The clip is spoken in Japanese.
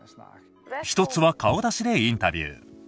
一つは顔出しでインタビュー。